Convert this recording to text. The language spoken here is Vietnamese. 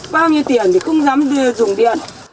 bao nhiêu tiền thì cũng dám dùng điện